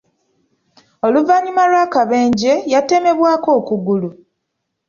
Oluvannyuma lw’akabenje, yatemebwako okugulu.